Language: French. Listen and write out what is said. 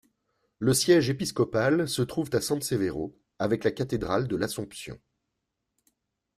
Le siège épiscopal se trouve à San Severo avec la cathédrale de l'Assomption.